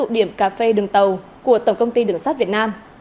đường tàu của tổng công ty đường sắt việt nam